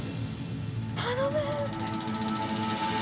頼む！